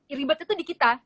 iribet itu di kita